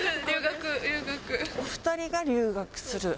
お２人が留学する？